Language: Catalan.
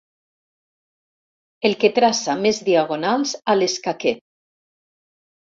El que traça més diagonals a l'escaquer.